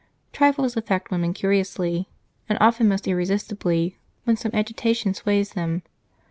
Trifles affect women curiously, and often most irresistibly when some agitation sways them.